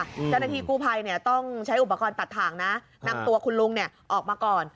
เจ้าหน้าที่กู้ภัยเนี่ยต้องใช้อุปกรณ์ตัดทางนะนั่งตัวคุณลุงเนี่ยออกมาก่อน